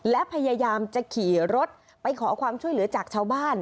และพยายามจะขี่รถไปขอความช่วยเหลือจากชาวบ้าน